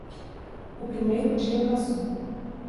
O primeiro dia passou.